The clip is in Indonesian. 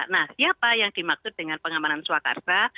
nah siapa yang dimaksud dengan pengamanan swakarsa